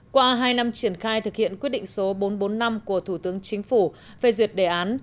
qua hai năm triển khai thực hiện quyết định số bốn trăm bốn mươi năm của thủ tướng chính phủ về duyệt đề án